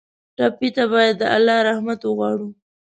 ټپي ته باید د الله رحمت وغواړو.